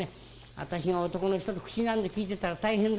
私が男の人と口なんて利いてたら大変だよ。